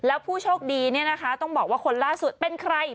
แล้วผู้โชคดีเนี่ยนะคะต้องบอกว่าคนล่าสุดเป็นใคร